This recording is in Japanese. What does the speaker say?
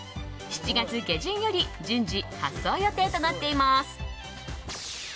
７月下旬より順次発送予定となっています。